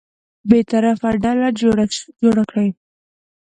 بېطرفه ډله جوړه کړه.